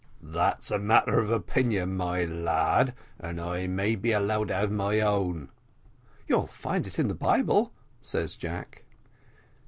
"That's a matter of opinion, my lad, and I may be allowed to have my own." "You'll find it in the Bible," says Jack.